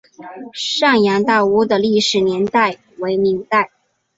上洋大屋的历史年代为明代。